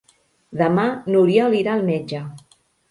Demà n'Oriol irà al metge.